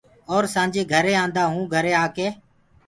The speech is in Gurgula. اور سآنجي گھري آنٚدآ هونٚ گھري آڪي